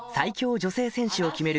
女性選手を決める